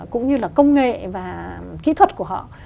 cũng như là công nghệ và kỹ thuật của họ